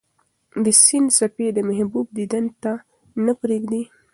د سیند څپې د محبوب دیدن ته نه پرېږدي.